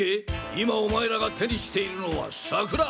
今お前らが手にしているのはＳＡＫＵＲＡ！